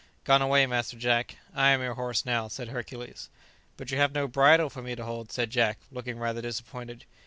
"Gone away, Master Jack; I am your horse now," said Hercules. "But you have no bridle for me to hold," said Jack, looking rather disappointed.